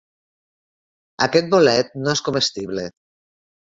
Aquest bolet no és comestible.